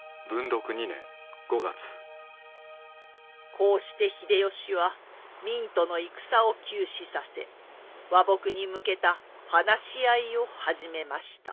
こうして秀吉は明との戦を休止させ和睦に向けた話し合いを始めました。